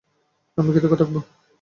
আমি কৃতজ্ঞ থাকব।